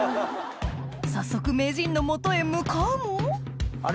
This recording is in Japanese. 早速名人の元へ向かうもあれ？